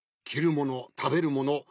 きるものたべるもの